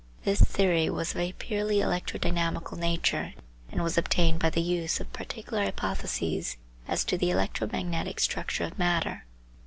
This theory was of a purely electrodynamical nature, and was obtained by the use of particular hypotheses as to the electromagnetic structure of matter.